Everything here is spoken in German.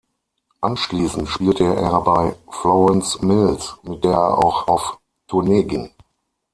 Anschließend spielte er bei Florence Mills, mit der er auch auf Tournee ging.